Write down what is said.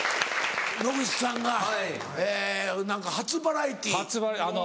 野口さんがえぇ何か初バラエティー。